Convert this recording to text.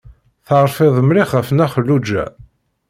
Terfiḍ mliḥ ɣef Nna Xelluǧa.